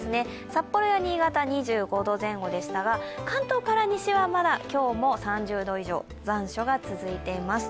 札幌や新潟は２５度前後でしたが関東から西はまだ今日も３０度以上、残暑が続いています。